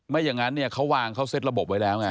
อย่างนั้นเนี่ยเขาวางเขาเซ็ตระบบไว้แล้วไง